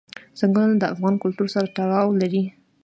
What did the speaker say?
ځنګلونه د افغان کلتور سره تړاو لري.